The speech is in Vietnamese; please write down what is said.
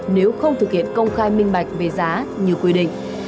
nếu không thực hiện công khai minh bạch về giá như quy định